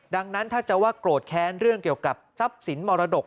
ดังนั้นถ้าจะว่าโกรธแค้นเรื่องเกี่ยวกับทรัพย์สินมรดก